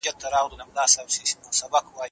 که طوفان بند نشي، موږ به په کور کې پاتې شو.